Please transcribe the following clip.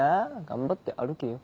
頑張って歩けよ。